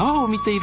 はい！